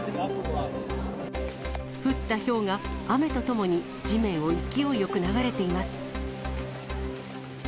降ったひょうが雨とともに地面を勢いよく流れています。